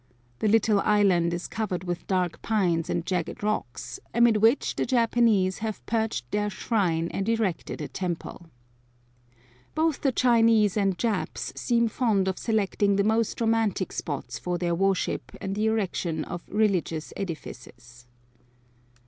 The little island is covered with dark pines and jagged rocks, amid which the Japs have perched their shrine and erected a temple. Both the Chinese and Japs seem fond of selecting the most romantic spots for their worship and the erection of religious edifices.